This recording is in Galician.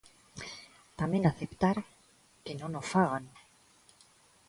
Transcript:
Tamén aceptar que non o fagan.